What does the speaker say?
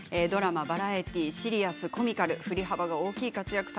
ドラマ、バラエティーシリアス、コミカル振り幅が大きい活躍